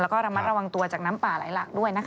แล้วก็ระมัดระวังตัวจากน้ำป่าไหลหลากด้วยนะคะ